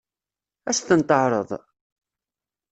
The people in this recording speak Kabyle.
Ad as-ten-teɛṛeḍ?